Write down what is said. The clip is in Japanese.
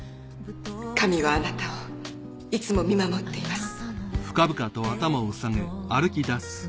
神はあなたをいつも見守っています。